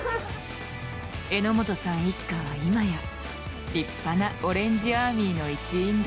榎本さん一家は今や立派なオレンジアーミーの一員だ。